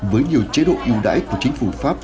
với nhiều chế độ yêu đãi của chính phủ pháp